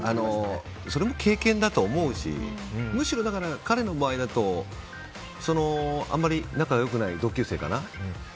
それも経験だと思うし彼の場合だと、むしろあまり、仲が良くない同級生かな。